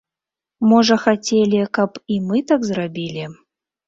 Можа, хацелі, каб і мы так зрабілі.